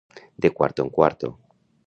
De cuarto en cuarto.